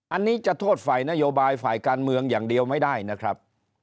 อันนี้จะโทษฝ่ายนโยบายฝ่ายการเมืองอย่างเดียวไม่ได้นะครับ